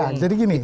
nah jadi gini